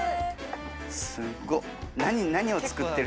すごっ！